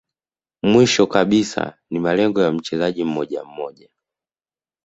Mwisho kabisa ni malengo ya mchezaji mmoja mmoja